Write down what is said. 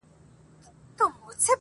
باندي جوړ د موږکانو بیر و بار وو,